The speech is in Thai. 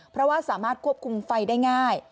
เพราะว่าสามารถควบคุมไฟได้ง่าย